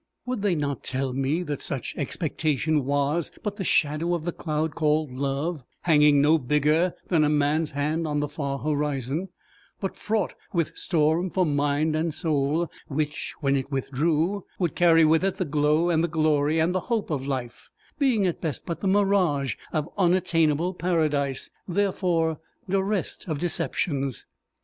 Would they not tell me that such expectation was but the shadow of the cloud called love, hanging no bigger than a man's hand on the far horizon, but fraught with storm for mind and soul, which, when it withdrew, would carry with it the glow and the glory and the hope of life; being at best but the mirage of an unattainable paradise, therefore direst of deceptions!